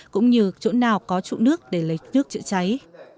cũng như chỗ nào có trụ nước để lấy nước chữa cháy